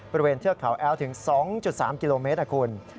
บริเวณเทือกเขาแอลถึง๒๓กิโลเมตรนะคุณ